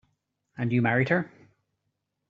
And you married her.